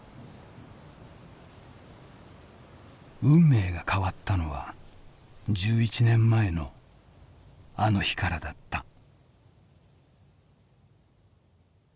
運命が変わったのは１１年前のあの日からだった。